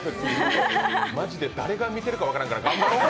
マジで誰が見てるか分からんから。